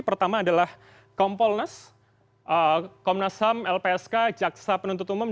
pertama adalah kompolnas komnas ham lpsk jaksa penuntut umum